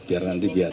biar nanti biar itu